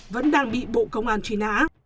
vẫn đang bị bộ công an truy nã